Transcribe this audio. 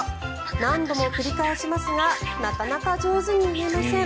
何度も繰り返しますがなかなか上手に言えません。